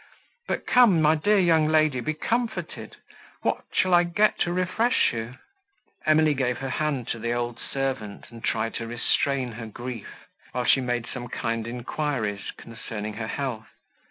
But come, my dear young lady, be comforted. What shall I get to refresh you?" Emily gave her hand to the old servant, and tried to restrain her grief, while she made some kind enquiries concerning her health.